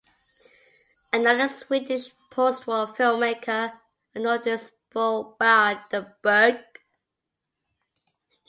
Another Swedish postwar filmmaker of note is Bo Widerberg.